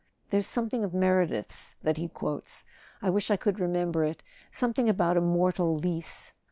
There's something of Meredith's that he quotes—I wish I could remember it—some¬ thing about a mortal lease."